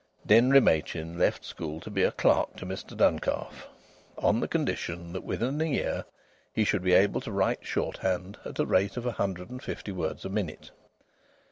Denry Machin left school to be clerk to Mr Duncalf, on the condition that within a year he should be able to write shorthand at the rate of a hundred and fifty words a minute.